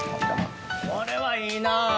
これはいいな！